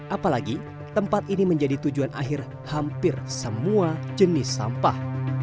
apalagi tempat ini menjadi tujuan akhir hampir semua jenis sampah